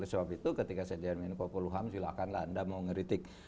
sebab itu ketika saya jadi menko poluham silahkanlah anda mau ngeritik